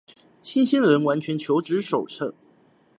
新鮮人完全求職手冊